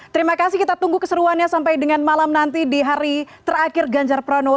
terima kasih kita tunggu keseruannya sampai dengan malam nanti di hari terakhir ganjar pranowo